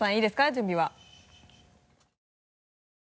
準備は。